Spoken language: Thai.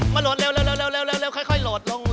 โหลดเร็วค่อยโหลดลง